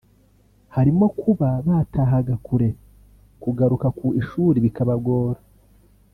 harimo kuba batahaga kure kugaruka ku ishuri bikabagora